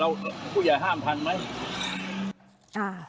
แล้วเด็กถ้าวิ่งเล่นเราอย่าห้ามทันไหม